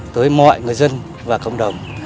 tới mọi người dân và cộng đồng